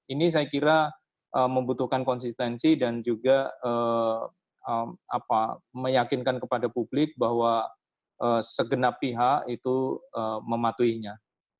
ini saya kira membutuhkan konsistensi dan juga meyakinkan kepada publik bahwa segenap pihak itu mematuhinya